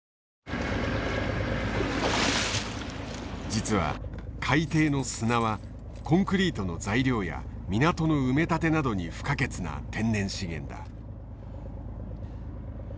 実は海底の砂はコンクリートの材料や港の埋め立てなどに不可欠な天然資源だ。